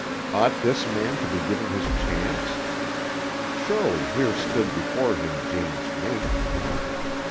Ought this man to be given his chance? Surely here stood before him Jane's mate.